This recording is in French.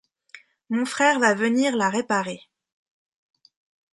Mon frère va venir la réparer.